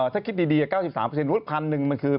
ถ้าคิดดี๙๓รูปพันธุ์หนึ่งมันคือ๑๙๓๐